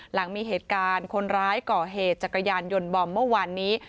หลังมีเหตุการณ์คนร้ายก่อเหตุจักรยานยนต์บอมเมื่อวานนี้